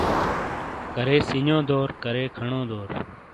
کرے سَینیو دور کرے کھَنو دور۔